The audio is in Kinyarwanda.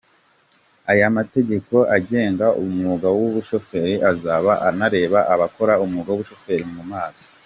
Aya mategeko agenga umwuga w’ubushoferi azaba anareba abakora umwuga w’ubushoferi mu mazi.